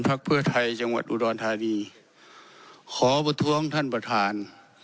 เพื่อไทยจังหวัดอุดรธานีขอประท้วงท่านประธาน